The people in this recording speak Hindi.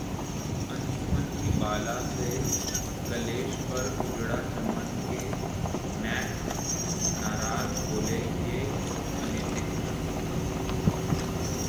आयुष्मान की बाला से क्लैश पर उजड़ा चमन के मेकर्स नाराज, बोले- ये अनैतिक